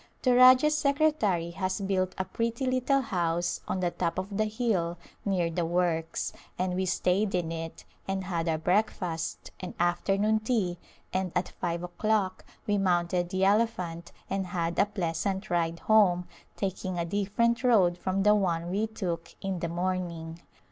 The Rajah's secretary has built a pretty little house on the top of the hill near the works, and we stayed in it, and had our breakfast and afternoon tea, and at five o'clock we mounted the elephant and had a pleasant ride home, taking a different road from the one we took in the morning.